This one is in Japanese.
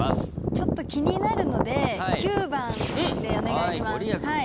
ちょっと気になるので９番でお願いします。